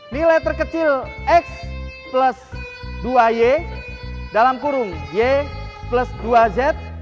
nilai terkecil x plus dua y dalam kurung y plus dua z